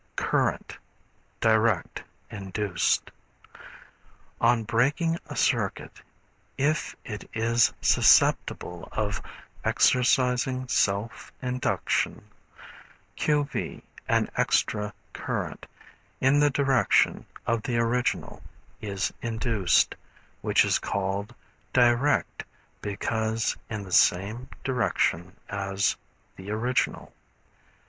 Current, Direct Induced. On breaking a circuit, if it is susceptible of exercising self induction, q. v., an extra current, in the direction of the original is induced, which is called "direct" because in the same direction as the original.